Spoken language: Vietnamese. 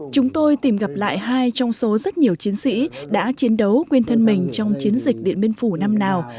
chúng tôi tìm gặp lại hai trong số rất nhiều chiến sĩ đã chiến đấu quyên thân mình trong chiến dịch điện biên phủ năm nào